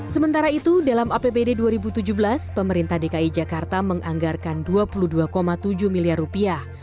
sementara itu dalam apbd dua ribu tujuh belas pemerintah dki jakarta menganggarkan dua puluh dua tujuh miliar rupiah